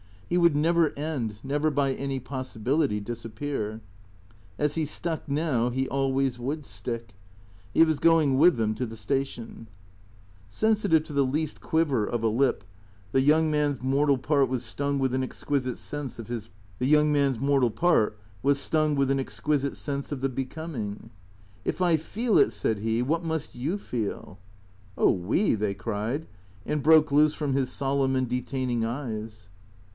He would never end, never by any possibility disappear. As he stuck now, he always would stick. He was going with them to the station. Sensitive to the least quiver of a lip, the young man's mortal part was stung with an exquisite sense of the becoming. " If I feel it," said he, " what must you feel ?"" Oh, we !" they cried, and broke loose from his solemn and detaining eyes.